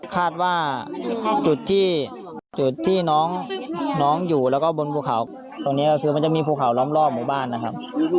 คาดว่าจุดที่จุดที่น้องอยู่แล้วก็บนภูเขาตรงนี้ก็คือมันจะมีภูเขาล้อมรอบหมู่บ้านนะครับ